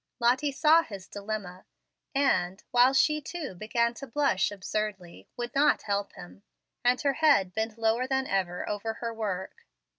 Lottie saw his dilemma, and, while she too began to blush absurdly, would not help him, and her head bent lower than ever over her work.